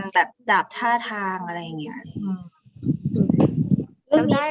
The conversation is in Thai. แบบจับท่าทางอะไรอย่างนี้